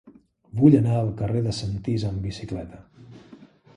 Vull anar al carrer de Sentís amb bicicleta.